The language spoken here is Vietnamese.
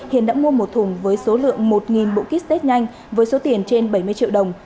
hiền đã mua một thùng với số lượng một bộ kit test nhanh với số tiền trên bảy mươi triệu đồng